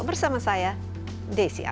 bersama saya desi anwar